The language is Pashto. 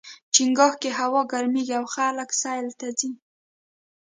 چنګاښ کې هوا ګرميږي او خلک سیل ته ځي.